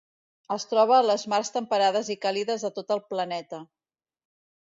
Es troba a les mars temperades i càlides de tot el planeta.